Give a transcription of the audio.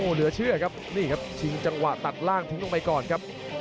เหลือเชื่อครับนี่ครับชิงจังหวะตัดล่างทิ้งลงไปก่อนครับ